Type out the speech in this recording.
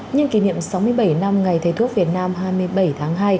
nhân kỷ niệm sáu mươi bảy năm ngày thầy thuốc việt nam hai mươi bảy tháng hai